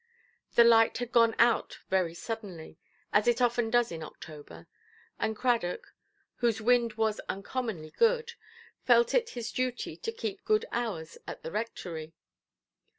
The light had gone out very suddenly, as it often does in October, and Cradock (whose wind was uncommonly good) felt it his duty to keep good hours at the Rectory.